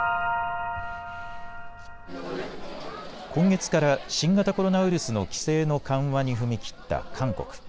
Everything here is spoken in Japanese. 今月から新型コロナウイルスの規制の緩和に踏み切った韓国。